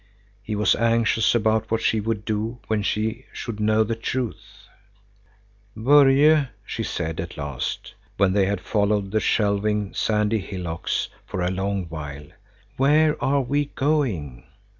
He was anxious about what she would do when she should know the truth. "Börje," she said at last, when they had followed the shelving, sandy hillocks for a long while, "where are we going?"